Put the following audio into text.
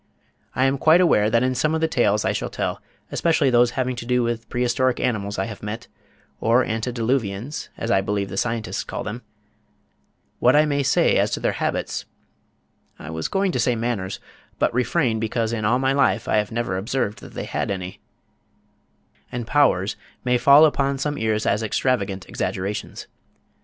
I am quite aware that in some of the tales that I shall tell, especially those having to do with Prehistoric Animals I have met, or Antediluvians as I believe the Scientists call them, what I may say as to their habits I was going to say manners, but refrain because in all my life I have never observed that they had any and powers may fall upon some ears as extravagant exaggerations.